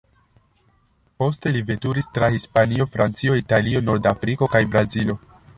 Poste li veturis tra Hispanio, Francio, Italio, Nordafriko kaj Brazilo.